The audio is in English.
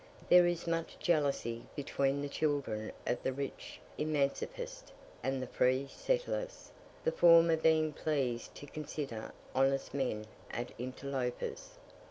There is much jealousy between the children of the rich emancipist and the free settlers, the former being pleased to consider honest men as interlopers.